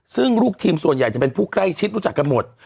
ซึ่งลูกทีมส่วนใหญ่จะเป็นผู้ใกล้ชิดรู้จักกันหมด